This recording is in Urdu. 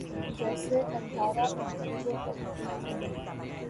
جیسے قندھارا تہذیب و تمدن تھی